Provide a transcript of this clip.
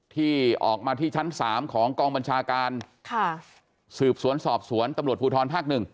ที่ออกมาที่ชั้น๓ของกองบัญชาการค่ะสืบสวนสอบสวนตำรวจภูทรภาคหนึ่ง